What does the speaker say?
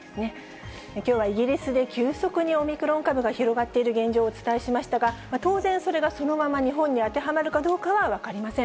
きょうはイギリスで急速にオミクロン株が広がっている現状をお伝えしましたが、当然、それがそのまま日本に当てはまるかどうかは分かりません。